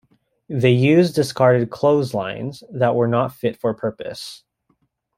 They used discarded clothes lines that were not fit for purpose.